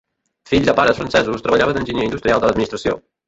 Fill de pares francesos treballava d'enginyer industrial de l'administració.